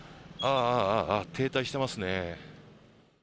停滞してますね。